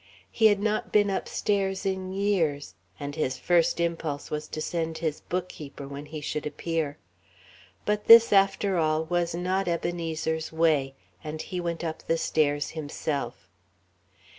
He had not been upstairs in years, and his first impulse was to send his bookkeeper, when he should appear. But this, after all, was not Ebenezer's way; and he went up the stairs himself.